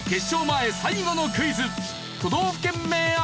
前最後のクイズ。